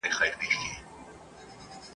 ته خبر یې د تودې خوني له خونده؟ ..